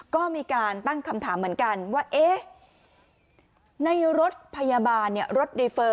ก็มีการตั้งคำถามเหมือนกันว่าเอ๊ะในรถพยาบาลรถรีเฟอร์